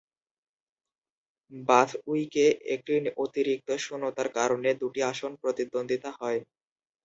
বাথউইকে একটি অতিরিক্ত শূন্যতার কারণে দুটি আসন প্রতিদ্বন্দ্বিতা হয়।